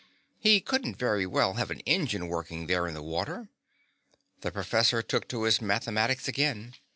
He couldn't very well have an engine working there in the water. The professor took to his mathematics again.